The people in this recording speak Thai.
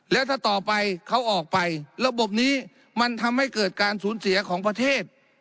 แล้วถ้าต่อไปเขาออกไประบบนี้มันทำให้เกิดการสูญเสียของประเทศ